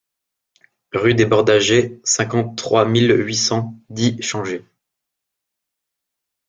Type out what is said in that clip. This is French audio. Rue des Bordagers, cinquante-trois mille huit cent dix Changé